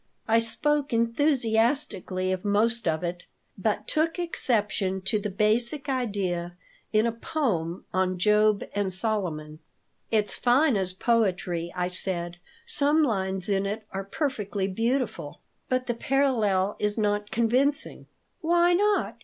I spoke enthusiastically of most of it, but took exception to the basic idea in a poem on Job and Solomon "It's fine as poetry," I said. "Some lines in it are perfectly beautiful. But the parallel is not convincing." "Why not?"